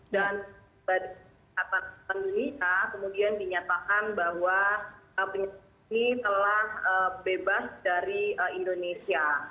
dan pada kata penulisnya kemudian dinyatakan bahwa penyakit ini telah bebas dari indonesia